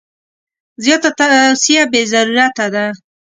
زیاته توصیه بې ضرورته ده.